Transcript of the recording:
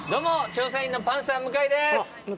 調査員のパンサー・向井です！